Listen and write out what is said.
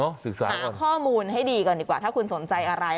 ศึกษาหาข้อมูลให้ดีก่อนดีกว่าถ้าคุณสนใจอะไร